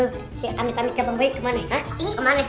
tuh temen lu si amit amit capeng bayi kemana ya